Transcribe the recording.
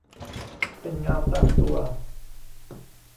เป็นเงาตามตัว